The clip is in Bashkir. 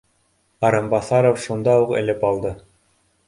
Арынбаҫаров шунда уҡ элеп алды: